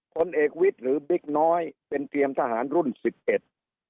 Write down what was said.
ผลเอกวิทย์หรือบิ๊กน้อยเป็นเตรียมทหารรุ่นสิบเอ็ด